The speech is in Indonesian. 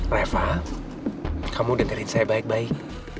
reva kamu dengerin saya baik baik